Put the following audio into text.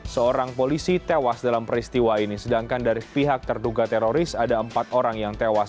seorang polisi tewas dalam peristiwa ini sedangkan dari pihak terduga teroris ada empat orang yang tewas